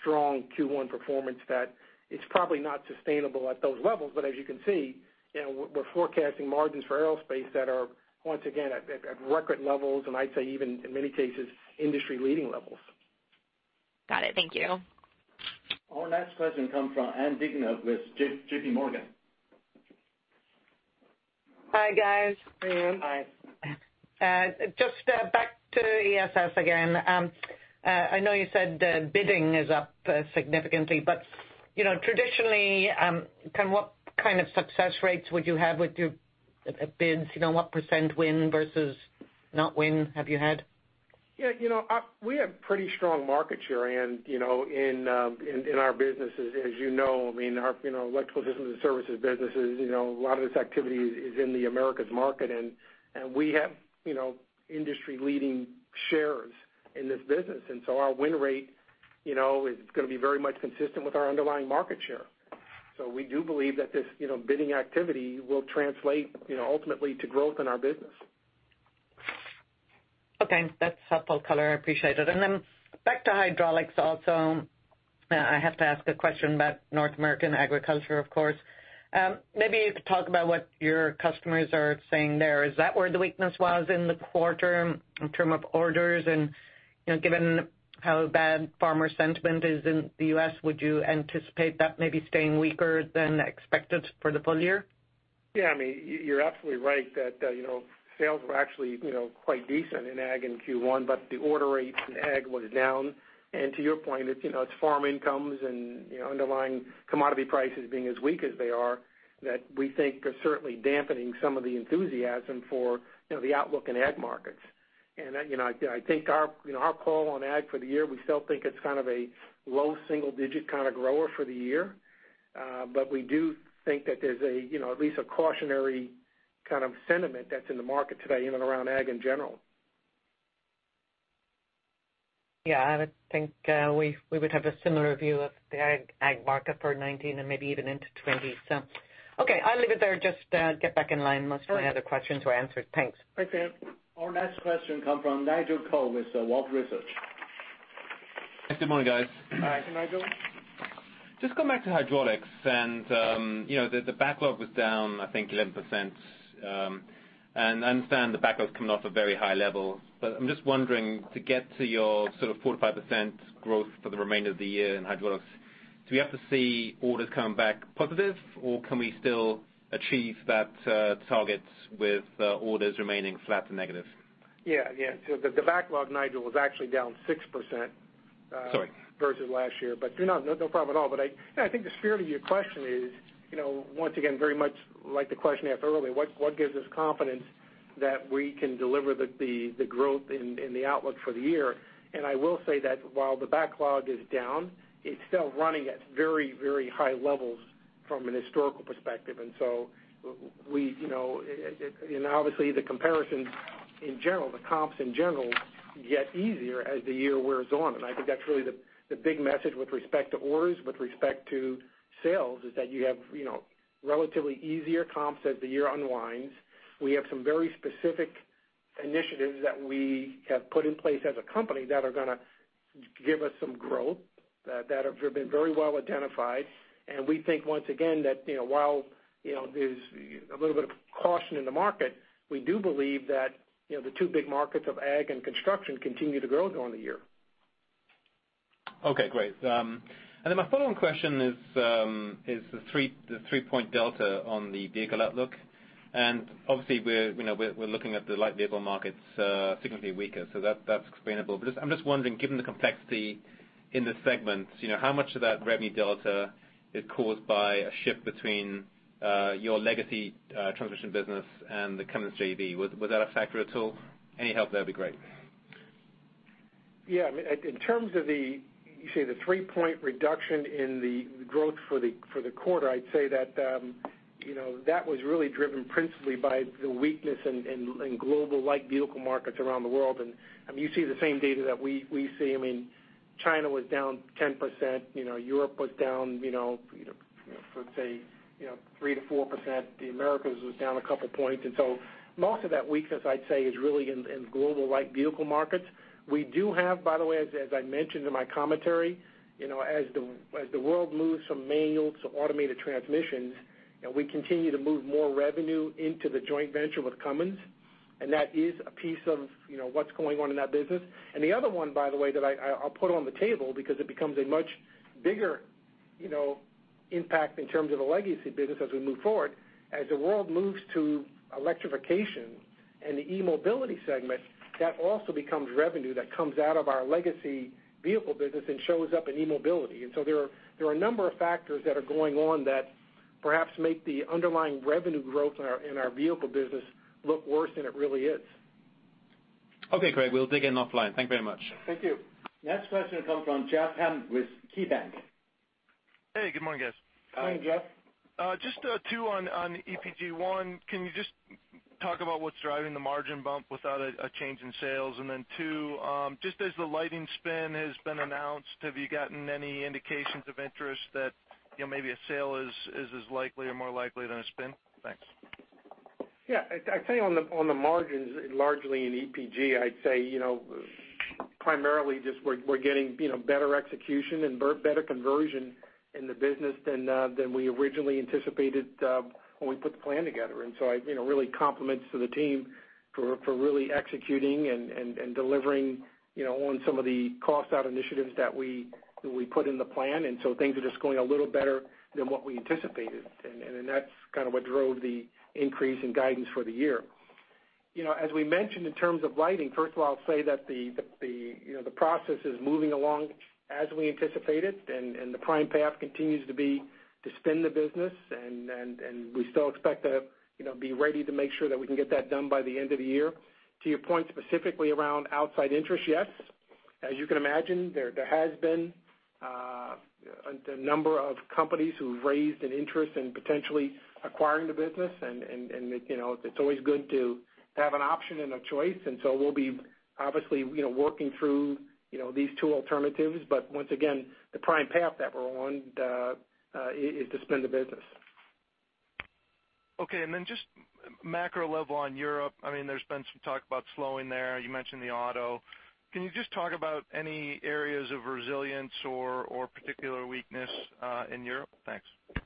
strong Q1 performance that it's probably not sustainable at those levels. As you can see, we're forecasting margins for aerospace that are once again at record levels, and I'd say even in many cases, industry-leading levels. Got it. Thank you. Our next question comes from Ann Duignan with JPMorgan. Hi, guys. Hi. Just back to ES&S again. I know you said bidding is up significantly, but traditionally, what kind of success rates would you have with your bids? What % win versus not win have you had? Yeah, we have pretty strong market share, Ann, in our businesses. As you know, our Electrical Systems and Services businesses, a lot of this activity is in the Americas market, and we have industry-leading shares in this business. Our win rate is going to be very much consistent with our underlying market share. We do believe that this bidding activity will translate ultimately to growth in our business. Okay. That's helpful color. I appreciate it. Back to hydraulics also. I have to ask a question about North American agriculture, of course. Maybe you could talk about what your customers are saying there. Is that where the weakness was in the quarter in terms of orders? Given how bad farmer sentiment is in the U.S., would you anticipate that maybe staying weaker than expected for the full year? Yeah, you're absolutely right that sales were actually quite decent in ag in Q1, the order rates in ag was down. To your point, it's farm incomes and underlying commodity prices being as weak as they are that we think are certainly dampening some of the enthusiasm for the outlook in ag markets. I think our call on ag for the year, we still think it's kind of a low single digit kind of grower for the year. We do think that there's at least a cautionary kind of sentiment that's in the market today in and around ag in general. Yeah, I would think we would have a similar view of the ag market for 2019 and maybe even into 2020. Okay, I'll leave it there. Just get back in line. Must have other questions to answer. Thanks. Thanks, Ann. Our next question comes from Nigel Coe with Wolfe Research. Good morning, guys. Hi, Nigel. Just going back to hydraulics, the backlog was down, I think 11%. I understand the backlog's coming off a very high level, but I'm just wondering, to get to your sort of 45% growth for the remainder of the year in hydraulics, do we have to see orders come back positive, or can we still achieve that target with orders remaining flat to negative? Yeah. The backlog, Nigel, was actually down 6%. Sorry versus last year, no problem at all. I think the spirit of your question is, once again, very much like the question I had earlier, what gives us confidence that we can deliver the growth in the outlook for the year? I will say that while the backlog is down, it's still running at very, very high levels from an historical perspective. Obviously the comparison in general, the comps in general get easier as the year wears on. I think that's really the big message with respect to orders, with respect to sales, is that you have relatively easier comps as the year unwinds. We have some very specific initiatives that we have put in place as a company that are going to give us some growth that have been very well identified. We think once again, that while there's a little bit of caution in the market, we do believe that the two big markets of ag and construction continue to grow during the year. Okay, great. Then my follow-on question is the three-point delta on the vehicle outlook. Obviously, we're looking at the light vehicle markets significantly weaker, so that's explainable. I'm just wondering, given the complexity in the segment, how much of that revenue delta is caused by a shift between your legacy transition business and the Cummins JV? Was that a factor at all? Any help there would be great. Yeah. In terms of the, you say the three-point reduction in the growth for the quarter, I'd say that was really driven principally by the weakness in global light vehicle markets around the world. You see the same data that we see. China was down 10%, Europe was down let's say 3%-4%. The Americas was down a couple points. Most of that weakness, I'd say, is really in global light vehicle markets. We do have, by the way, as I mentioned in my commentary, as the world moves from manual to automated transmissions, we continue to move more revenue into the joint venture with Cummins, and that is a piece of what's going on in that business. The other one, by the way, that I'll put on the table because it becomes a much bigger impact in terms of the legacy business as we move forward, as the world moves to electrification and the eMobility segment, that also becomes revenue that comes out of our legacy vehicle business and shows up in eMobility. There are a number of factors that are going on that perhaps make the underlying revenue growth in our vehicle business look worse than it really is. Okay, great. We'll dig in offline. Thank you very much. Thank you. Next question comes from Jeff Hammond with KeyBanc. Hey, good morning, guys. Good morning, Jeff. Just 2 on EPG. 1, can you just talk about what's driving the margin bump without a change in sales? 2, just as the lighting spin has been announced, have you gotten any indications of interest that maybe a sale is as likely or more likely than a spin? Thanks. Yeah. I'd say on the margins, largely in EPG, I'd say, primarily just we're getting better execution and better conversion in the business than we originally anticipated when we put the plan together. Really compliments to the team for really executing and delivering on some of the cost-out initiatives that we put in the plan. Things are just going a little better than what we anticipated. That's kind of what drove the increase in guidance for the year. As we mentioned in terms of lighting, first of all, I'll say that the process is moving along as we anticipated, the prime path continues to be to spin the business, we still expect to be ready to make sure that we can get that done by the end of the year. To your point, specifically around outside interest, yes. As you can imagine, there has been a number of companies who've raised an interest in potentially acquiring the business, and it's always good to have an option and a choice. So we'll be obviously working through these two alternatives. Once again, the prime path that we're on is to spin the business. Okay. Just macro level on Europe, there's been some talk about slowing there. You mentioned the auto. Can you just talk about any areas of resilience or particular weakness in Europe? Thanks. Yeah.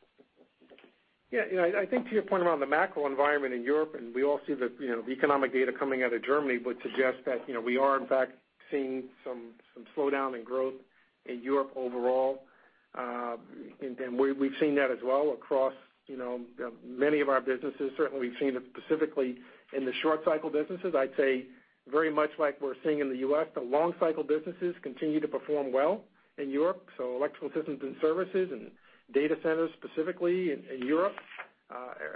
I think to your point around the macro environment in Europe, we all see the economic data coming out of Germany would suggest that we are in fact seeing some slowdown in growth in Europe overall. We've seen that as well across many of our businesses. Certainly, we've seen it specifically in the short cycle businesses. I'd say very much like we're seeing in the U.S., the long cycle businesses continue to perform well in Europe. So Electrical Systems and Services and data centers specifically in Europe.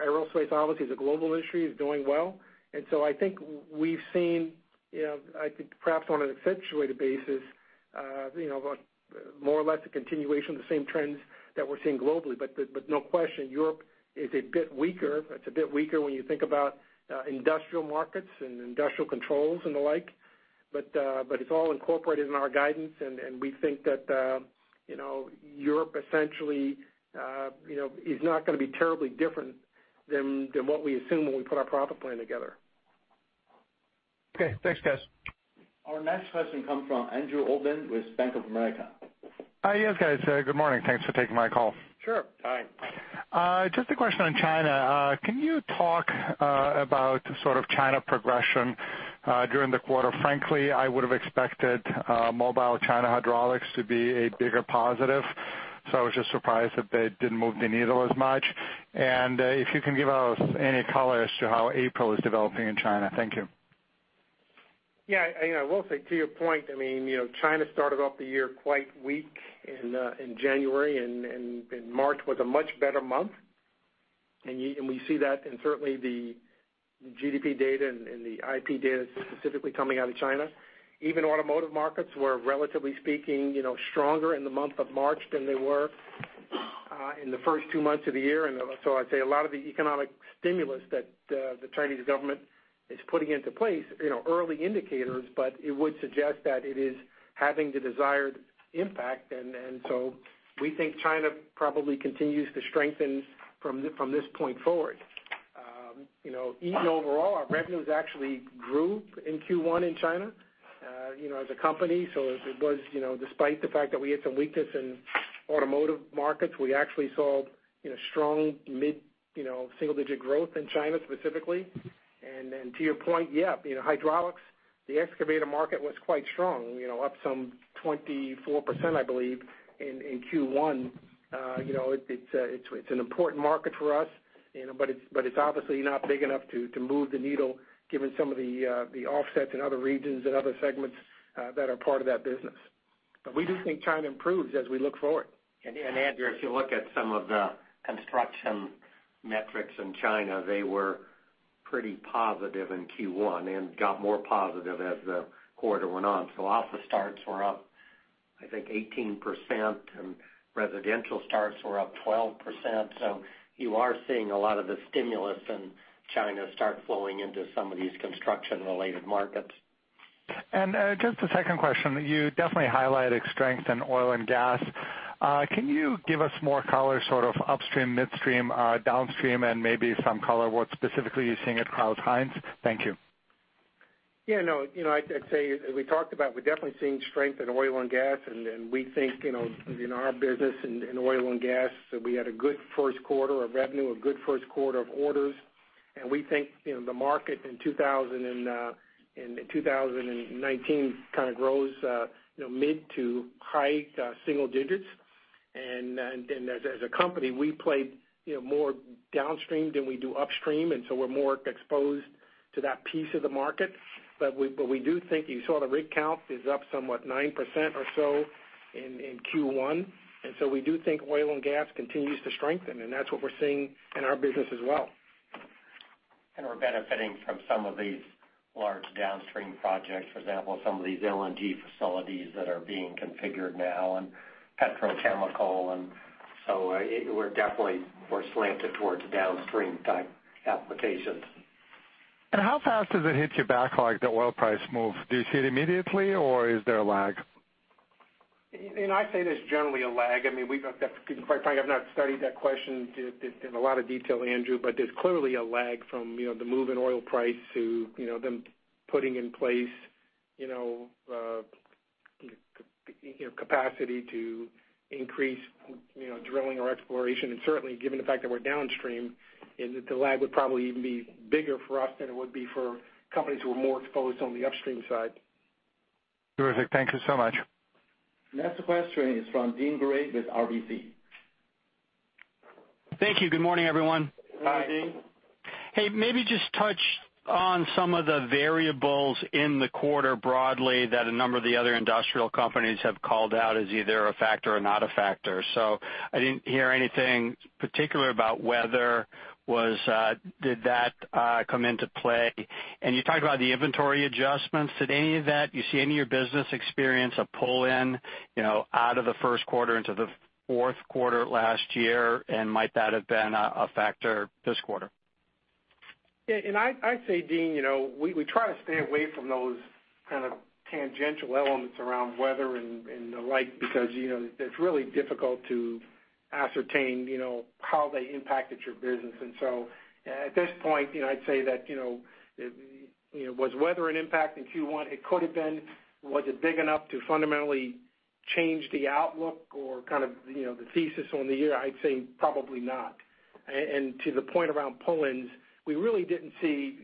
Aerospace obviously is a global industry, is doing well. I think we've seen perhaps on an accentuated basis, more or less a continuation of the same trends that we're seeing globally. No question, Europe is a bit weaker. It's a bit weaker when you think about industrial markets and industrial controls and the like. It's all incorporated in our guidance, and we think that Europe essentially is not going to be terribly different than what we assumed when we put our profit plan together. Okay. Thanks, guys. Our next question comes from Andrew Obin with Bank of America. Yes, guys. Good morning. Thanks for taking my call. Sure. Hi. Just a question on China. Can you talk about sort of China progression during the quarter? Frankly, I would have expected mobile China hydraulics to be a bigger positive, so I was just surprised that they didn't move the needle as much. If you can give us any color as to how April is developing in China. Thank you. Yeah. I will say to your point, China started off the year quite weak in January, March was a much better month. We see that in certainly the GDP data and the IP data specifically coming out of China. Even automotive markets were, relatively speaking, stronger in the month of March than they were in the first two months of the year. I'd say a lot of the economic stimulus that the Chinese government is putting into place, early indicators, but it would suggest that it is having the desired impact. We think China probably continues to strengthen from this point forward. Even overall, our revenues actually grew in Q1 in China, as a company. It was despite the fact that we had some weakness in automotive markets, we actually saw strong mid-single digit growth in China specifically. To your point, hydraulics, the excavator market was quite strong, up some 24%, I believe, in Q1. It's an important market for us, but it's obviously not big enough to move the needle given some of the offsets in other regions and other segments that are part of that business. We do think China improves as we look forward. Andrew, if you look at some of the construction metrics in China, they were pretty positive in Q1 and got more positive as the quarter went on. Office starts were up, I think, 18%, residential starts were up 12%. You are seeing a lot of the stimulus in China start flowing into some of these construction-related markets. Just a second question. You definitely highlighted strength in oil and gas. Can you give us more color, sort of upstream, midstream, downstream, and maybe some color what specifically you're seeing at Crouse-Hinds? Thank you. I'd say, as we talked about, we're definitely seeing strength in oil and gas, and we think, in our business in oil and gas, that we had a good first quarter of revenue, a good first quarter of orders. We think, the market in 2019 kind of grows mid to high single digits. As a company, we play more downstream than we do upstream, and so we're more exposed to that piece of the market. We do think you saw the rig count is up somewhat 9% or so in Q1. We do think oil and gas continues to strengthen, and that's what we're seeing in our business as well. We're benefiting from some of these large downstream projects. For example, some of these LNG facilities that are being configured now in petrochemical, and so we're definitely slanted towards downstream-type applications. How fast does it hit your backlog? The oil price move, do you see it immediately, or is there a lag? I'd say there's generally a lag. To be quite frank, I've not studied that question in a lot of detail, Andrew, there's clearly a lag from the move in oil price to them putting in place capacity to increase drilling or exploration. Certainly, given the fact that we're downstream, the lag would probably even be bigger for us than it would be for companies who are more exposed on the upstream side. Terrific. Thank you so much. Next question is from Deane Dray with RBC. Thank you. Good morning, everyone. Hi. Good morning. Hey, maybe just touch on some of the variables in the quarter broadly that a number of the other industrial companies have called out as either a factor or not a factor. I didn't hear anything particular about weather. Did that come into play? You talked about the inventory adjustments. Did you see any of your business experience a pull-in out of the first quarter into the fourth quarter last year, and might that have been a factor this quarter? I'd say, Deane, we try to stay away from those kind of tangential elements around weather and the like, because it's really difficult to ascertain how they impacted your business. At this point, I'd say that was weather an impact in Q1? It could have been. Was it big enough to fundamentally change the outlook or kind of the thesis on the year? I'd say probably not. To the point around pull-ins, we really didn't see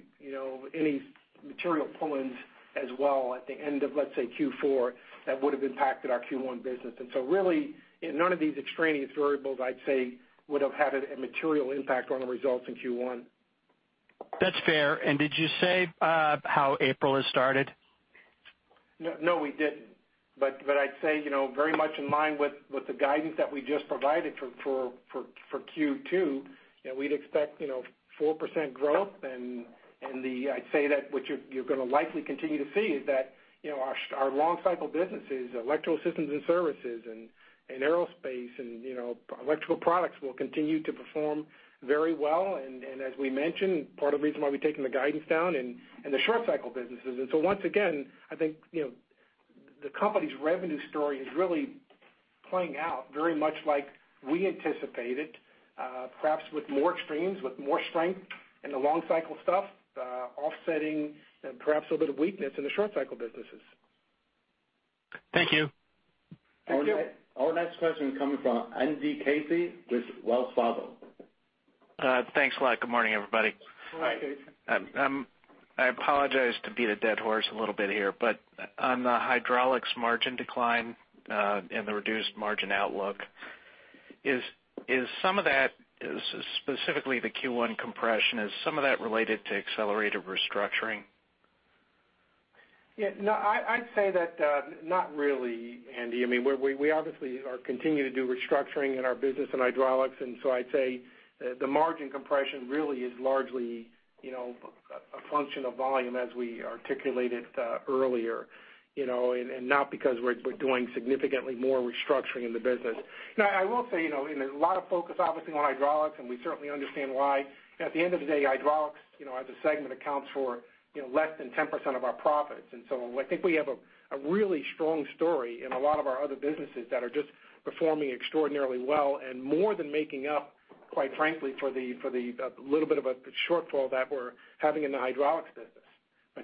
any material pull-ins as well at the end of, let's say Q4, that would have impacted our Q1 business. Really none of these extraneous variables I'd say would have had a material impact on the results in Q1. That's fair. Did you say how April has started? No, we didn't. I'd say, very much in line with the guidance that we just provided for Q2, we'd expect 4% growth, I'd say that what you're going to likely continue to see is that our long-cycle businesses, Electrical Systems and Services and aerospace and electrical products will continue to perform very well. As we mentioned, part of the reason why we've taken the guidance down in the short-cycle businesses. Once again, I think, the company's revenue story is really playing out very much like we anticipated. Perhaps with more extremes, with more strength in the long-cycle stuff offsetting perhaps a bit of weakness in the short-cycle businesses. Thank you. Thank you. Our next question coming from Andy Casey with Wells Fargo. Thanks a lot. Good morning, everybody. Hi. Hi. I apologize to beat a dead horse a little bit here, but on the hydraulics margin decline and the reduced margin outlook, is some of that, specifically the Q1 compression, is some of that related to accelerated restructuring? No, I'd say that not really, Andy. We obviously are continuing to do restructuring in our business in hydraulics, so I'd say the margin compression really is largely a function of volume as we articulated earlier, not because we're doing significantly more restructuring in the business. I will say, there's a lot of focus, obviously, on hydraulics, and we certainly understand why. At the end of the day, hydraulics, as a segment, accounts for less than 10% of our profits. I think we have a really strong story in a lot of our other businesses that are just performing extraordinarily well and more than making up, quite frankly, for the little bit of a shortfall that we're having in the hydraulics business.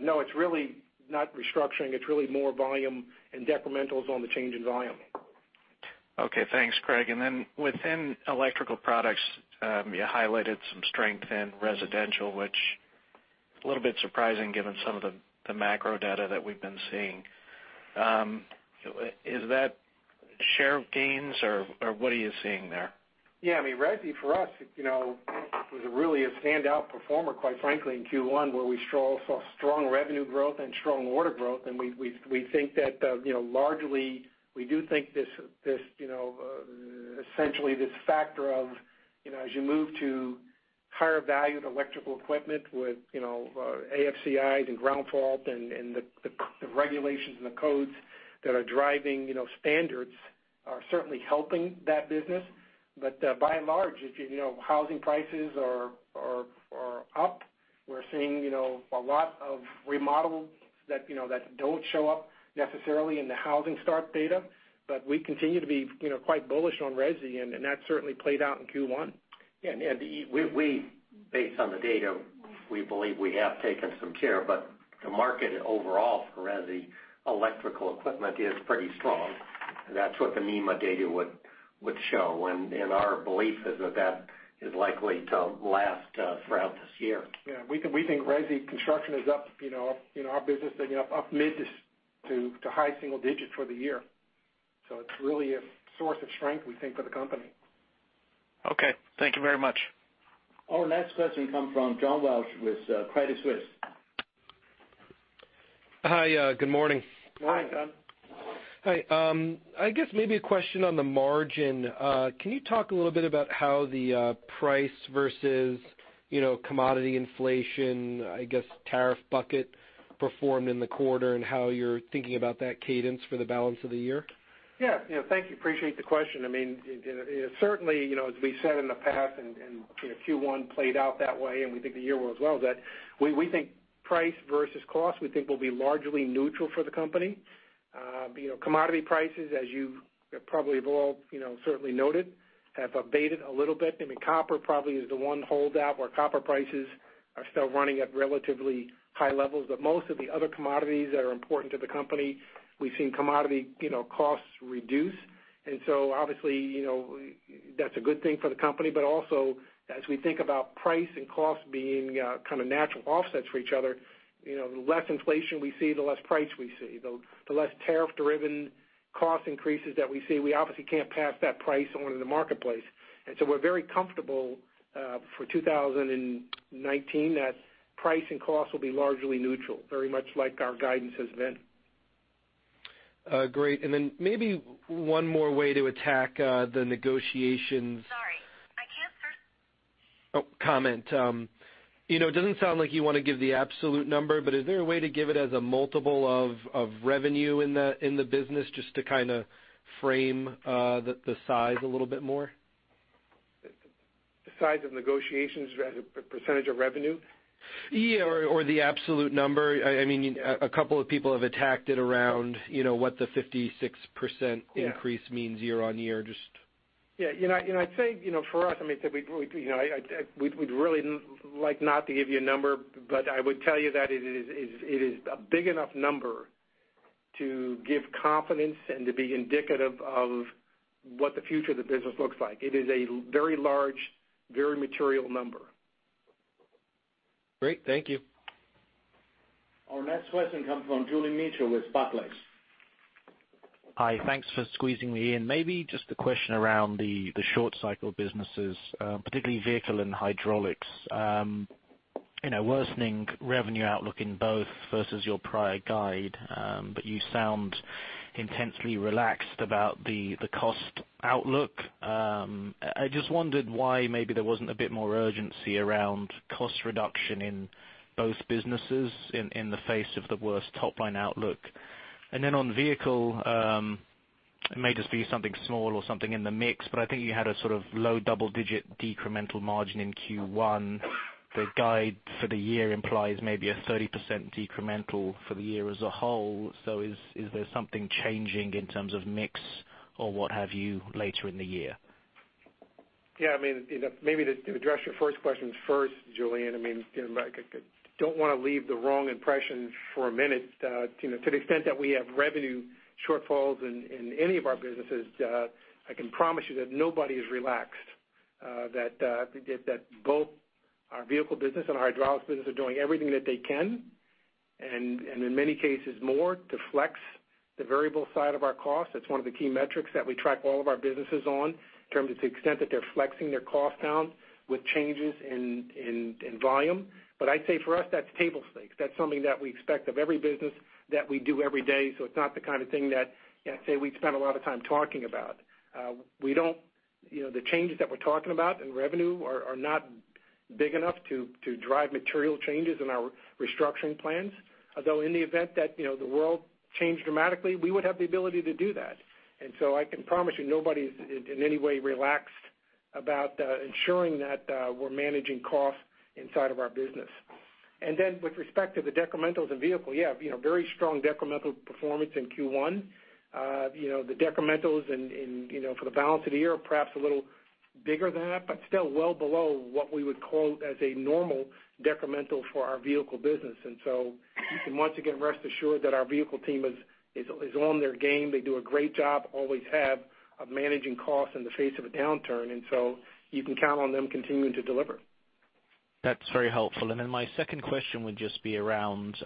No, it's really not restructuring. It's really more volume and decrementals on the change in volume. Okay, thanks, Craig. Then within Electrical Products, you highlighted some strength in residential, which is a little bit surprising given some of the macro data that we've been seeing. Is that share gains or what are you seeing there? Resi for us, was really a standout performer, quite frankly, in Q1, where we saw strong revenue growth and strong order growth. We think that largely, we do think essentially this factor of, as you move to higher valued electrical equipment with AFCIs and ground fault and the regulations and the codes that are driving standards are certainly helping that business. By and large, housing prices are up. We're seeing a lot of remodels that don't show up necessarily in the housing start data, but we continue to be quite bullish on resi, and that certainly played out in Q1. Based on the data, we believe we have taken some care, but the market overall for resi electrical equipment is pretty strong. That's what the NEMA data would show. Our belief is that is likely to last throughout this year. We think resi construction is up in our business, up mid to high single digits for the year. It's really a source of strength, we think, for the company. Thank you very much. Our next question comes from John Walsh with Credit Suisse. Hi, good morning. Morning, John. Hi. I guess maybe a question on the margin. Can you talk a little bit about how the price versus commodity inflation, I guess, tariff bucket performed in the quarter and how you're thinking about that cadence for the balance of the year? Yeah. Thank you. Appreciate the question. Certainly, as we said in the past, and Q1 played out that way, and we think the year will as well, that we think price versus cost, we think will be largely neutral for the company. Commodity prices, as you probably have all certainly noted, have abated a little bit. Copper probably is the one holdout where copper prices are still running at relatively high levels. Most of the other commodities that are important to the company, we've seen commodity costs reduce, obviously, that's a good thing for the company. Also, as we think about price and cost being kind of natural offsets for each other, the less inflation we see, the less price we see. The less tariff-driven cost increases that we see, we obviously can't pass that price on in the marketplace. We're very comfortable for 2019 that price and cost will be largely neutral, very much like our guidance has been. Great. Maybe one more way to attack the negotiations. Sorry, I can't first. Oh, comment. It doesn't sound like you want to give the absolute number, but is there a way to give it as a multiple of revenue in the business, just to kind of frame the size a little bit more? The size of negotiations as a percentage of revenue? Yeah, or the absolute number. A couple of people have attacked it around what the 56% increase means year-on-year. Yeah. I'd say for us, we'd really like not to give you a number, but I would tell you that it is a big enough number to give confidence and to be indicative of what the future of the business looks like. It is a very large, very material number. Great. Thank you. Our next question comes from Julian Mitchell with Barclays. Hi. Thanks for squeezing me in. Maybe just a question around the short cycle businesses, particularly Vehicle and Hydraulics. Worsening revenue outlook in both versus your prior guide, you sound intensely relaxed about the cost outlook. I just wondered why maybe there wasn't a bit more urgency around cost reduction in both businesses in the face of the worst top-line outlook. On Vehicle, it may just be something small or something in the mix, but I think you had a sort of low double-digit decremental margin in Q1. The guide for the year implies maybe a 30% decremental for the year as a whole. Is there something changing in terms of mix or what have you later in the year? Yeah. Maybe to address your first questions first, Julian, I don't want to leave the wrong impression for a minute. To the extent that we have revenue shortfalls in any of our businesses, I can promise you that nobody is relaxed. Both our Vehicle business and our Hydraulics business are doing everything that they can, and in many cases, more to flex the variable side of our cost. That's one of the key metrics that we track all of our businesses on, in terms of the extent that they're flexing their cost down with changes in volume. I'd say for us, that's table stakes. That's something that we expect of every business that we do every day. It's not the kind of thing that, say, we'd spend a lot of time talking about. The changes that we're talking about in revenue are not big enough to drive material changes in our restructuring plans. Although in the event that the world changed dramatically, we would have the ability to do that. I can promise you, nobody is in any way relaxed about ensuring that we're managing costs inside of our business. With respect to the decrementals in Vehicle, yeah, very strong decremental performance in Q1. The decrementals for the balance of the year are perhaps a little bigger than that, but still well below what we would call as a normal decremental for our Vehicle business. You can once again rest assured that our Vehicle team is on their game. They do a great job, always have, of managing costs in the face of a downturn, so you can count on them continuing to deliver. That's very helpful. My second question would just be around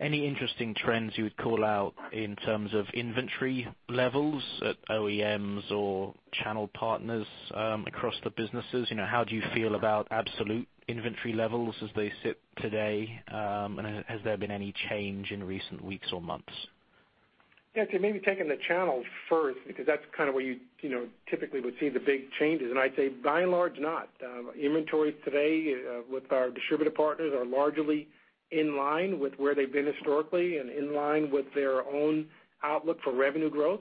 any interesting trends you would call out in terms of inventory levels at OEMs or channel partners across the businesses. How do you feel about absolute inventory levels as they sit today? Has there been any change in recent weeks or months? Yeah. Okay, maybe taking the channel first because that's kind of where you typically would see the big changes. I'd say by and large, not. Inventories today with our distributor partners are largely in line with where they've been historically and in line with their own outlook for revenue growth.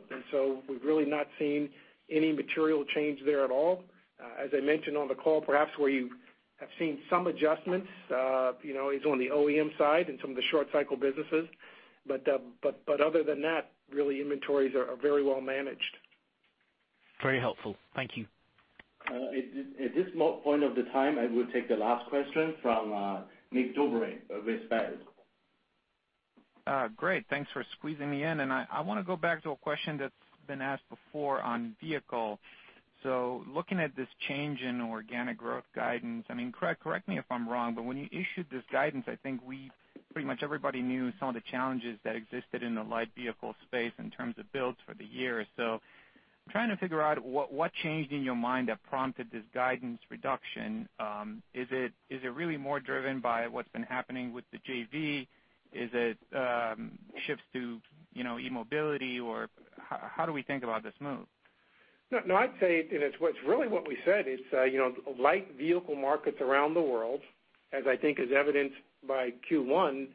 We've really not seen any material change there at all. As I mentioned on the call, perhaps where you have seen some adjustments is on the OEM side and some of the short cycle businesses. Other than that, really, inventories are very well managed. Very helpful. Thank you. At this point of the time, I will take the last question from Mig Dobre with Baird. Great. Thanks for squeezing me in. I want to go back to a question that's been asked before on vehicle. Looking at this change in organic growth guidance, correct me if I'm wrong, but when you issued this guidance, I think we pretty much everybody knew some of the challenges that existed in the light vehicle space in terms of builds for the year. I'm trying to figure out what changed in your mind that prompted this guidance reduction. Is it really more driven by what's been happening with the JV? Is it shifts to eMobility, or how do we think about this move? No, I'd say, and it's really what we said, it's light vehicle markets around the world, as I think is evidenced by Q1,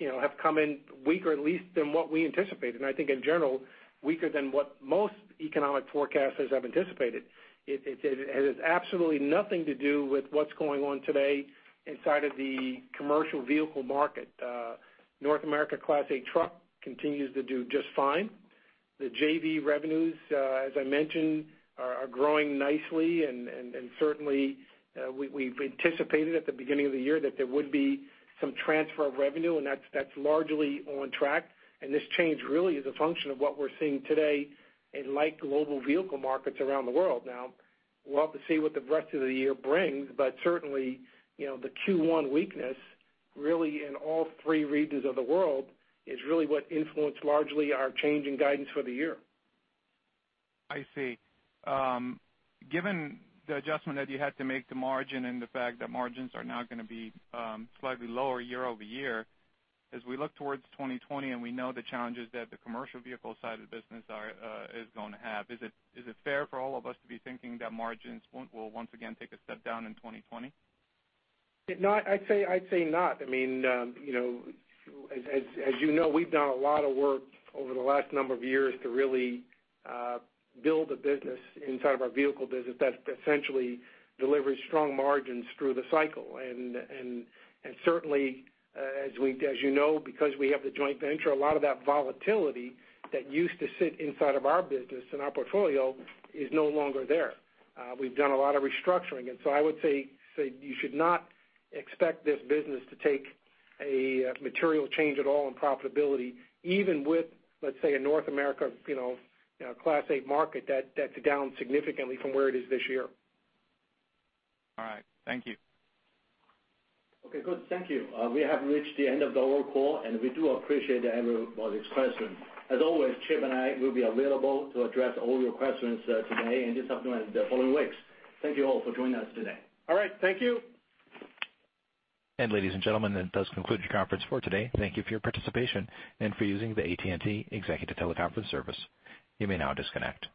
have come in weaker at least than what we anticipated. I think in general, weaker than what most economic forecasters have anticipated. It has absolutely nothing to do with what's going on today inside of the commercial vehicle market. North America Class 8 truck continues to do just fine. The JV revenues, as I mentioned, are growing nicely, and certainly, we've anticipated at the beginning of the year that there would be some transfer of revenue, and that's largely on track. This change really is a function of what we're seeing today in light global vehicle markets around the world. Now, we'll have to see what the rest of the year brings, but certainly, the Q1 weakness really in all three regions of the world is really what influenced largely our change in guidance for the year. I see. Given the adjustment that you had to make to margin and the fact that margins are now going to be slightly lower year-over-year, as we look towards 2020 and we know the challenges that the commercial vehicle side of the business is going to have, is it fair for all of us to be thinking that margins will once again take a step down in 2020? No, I'd say not. As you know, we've done a lot of work over the last number of years to really build a business inside of our vehicle business that essentially delivers strong margins through the cycle. Certainly, as you know, because we have the joint venture, a lot of that volatility that used to sit inside of our business and our portfolio is no longer there. We've done a lot of restructuring, so I would say you should not expect this business to take a material change at all in profitability, even with, let's say, a North America Class 8 market that's down significantly from where it is this year. All right. Thank you. Okay, good. Thank you. We have reached the end of the call, we do appreciate everybody's questions. As always, Chip and I will be available to address all your questions today and this afternoon and the following weeks. Thank you all for joining us today. All right. Thank you. Ladies and gentlemen, that does conclude your conference for today. Thank you for your participation and for using the AT&T Executive Teleconference Service. You may now disconnect.